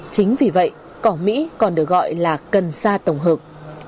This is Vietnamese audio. chính vì vậy cỏ mỹ còn được gọi là cần sa tổng hợp